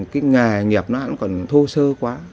cái nghề nghiệp nó hãng còn thô sơ quá